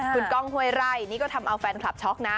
คุณก้องห้วยไร่นี่ก็ทำเอาแฟนคลับช็อกนะ